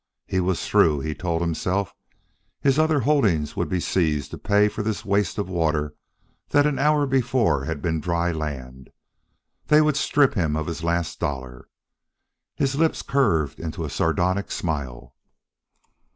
He was through, he told himself; his other holdings would be seized to pay for this waste of water that an hour before had been dry land; they would strip him of his last dollar. His lips curved into a sardonic smile.